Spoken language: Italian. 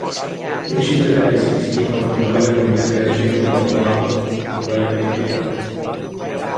Le cittadelle si distinguono tra quelle comprese nel centro urbano e quelle periferiche.